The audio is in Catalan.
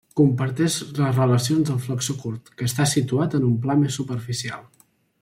Comparteix les relacions del flexor curt, que està situat en un pla més superficial.